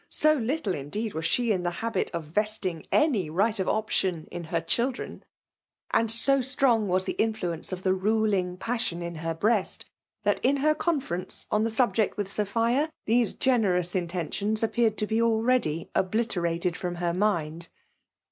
so little, indeed, was she in the habit of vesting any right of option in her children, and so strong was the influence of the ruling passion in her breast, thai in her conference on the subject with Sophia, these genetous intentions appeared to be already _■ oblterated from her mind.